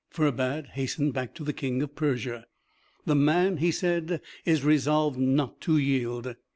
Ferbad hastened back to the King of Persia. "The man," he said, "is resolved not to yield."